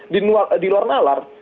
di luar nalar